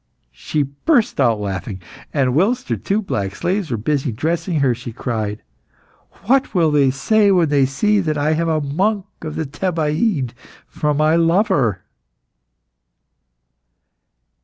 She burst out laughing. And whilst her two black slaves were busy dressing her, she cried "What will they say when they see that I have a monk of the Thebaid for my lover?"